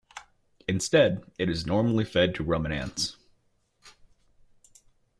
Instead, it is normally fed to ruminants.